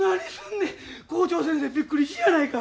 校長先生びっくりしいやないか！